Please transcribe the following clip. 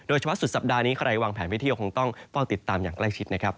สุดสัปดาห์นี้ใครวางแผนไปเที่ยวคงต้องเฝ้าติดตามอย่างใกล้ชิดนะครับ